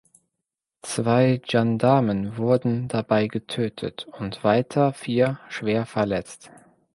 Zwei Gendarmen wurden dabei getötet und weiter vier schwer verletzt.